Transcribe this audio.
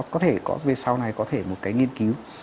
có thể có về sau này có thể một cái nghiên cứu